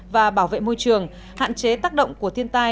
và bảo vệ môi trường hạn chế tác động của thiên tai